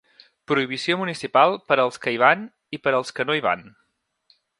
Prohibició municipal per als que hi van i per als que no hi van.